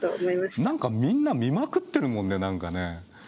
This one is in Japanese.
みんな見まくってるもんね何かね。